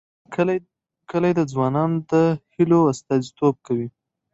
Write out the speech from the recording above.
کلي د ځوانانو د هیلو استازیتوب کوي.